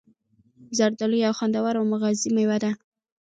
زردآلو یو خوندور او مغذي میوه ده.